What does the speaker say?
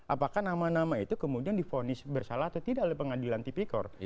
apakah nama nama itu kemudian difonis bersalah atau tidak oleh pengadilan tipikor